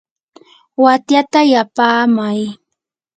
watyata yapaamay.